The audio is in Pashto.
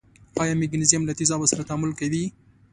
آیا مګنیزیم له تیزابو سره تعامل کوي؟